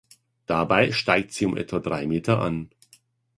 Dabei steigt sie um etwa drei Meter an.